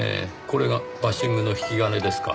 これがバッシングの引き金ですか。